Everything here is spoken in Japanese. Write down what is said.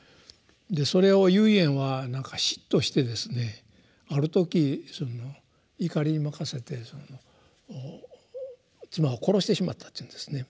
でそれを唯円はなんか嫉妬してですねある時怒りに任せて妻を殺してしまったっていうんですね。